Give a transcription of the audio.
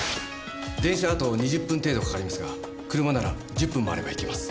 電車だと２０分程度かかりますが車なら１０分もあれば行けます。